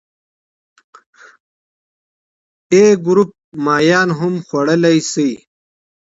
A ګروپ ماهیان هم خوړلی شي.